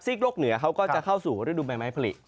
โลกเหนือเขาก็จะเข้าสู่ฤดูใบไม้ผลิต